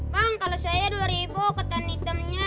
bang kalau saya dua ribu ketan hitamnya